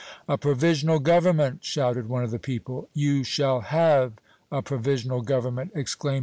"A provisional government!" shouted one of the people. "You shall have a provisional government!" exclaimed M.